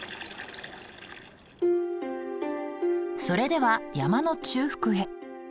それでは山の中腹へ。